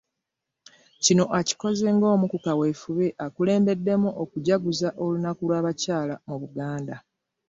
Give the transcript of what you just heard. Kino akikoze ng'omu ku kaweefube akulembeddemu okujaguza olunaku lw'abakyala mu Buganda.